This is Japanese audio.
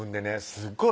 すっごい